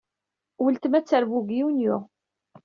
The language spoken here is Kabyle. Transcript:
Weltma ad d-terbu deg Yunyu.